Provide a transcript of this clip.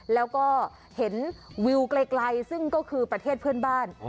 แล้วก็เห็นวิวไกลซึ่งก็คือประเทศเพื่อนบ้าน